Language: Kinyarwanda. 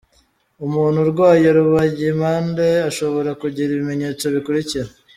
Umuntu urwaye rubagimpande ashobora kugira ibimenyetso bikurikira :.